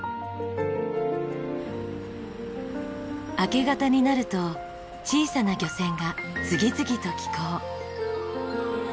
明け方になると小さな漁船が次々と帰港。